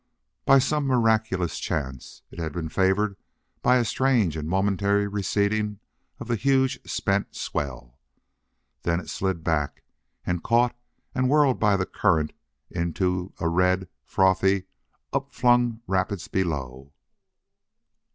By some miraculous chance it had been favored by a strange and momentary receding of the huge spent swell. Then it slid back, was caught and whirled by the current into a red, frothy, up flung rapids below.